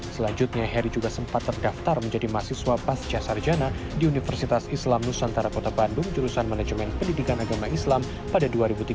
selanjutnya heri juga sempat terdaftar menjadi mahasiswa pasca sarjana di universitas islam nusantara kota bandung jurusan manajemen pendidikan agama islam pada dua ribu tiga belas